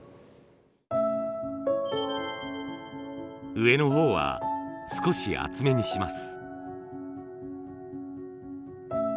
上の方は少し厚めにします。